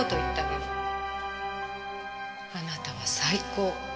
あなたは最高。